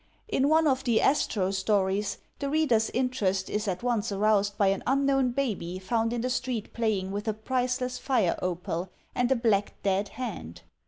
In one of the "Astro" stories, the reader's interest is at once aroused by an unknown baby found in the street playing with a priceless fire opal and a black dead hand.